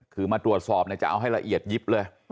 คือมาตรวจสอบเนี่ยจะเอาให้ละเอียดยิบเลย